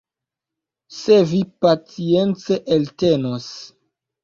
Se vi pacience eltenos.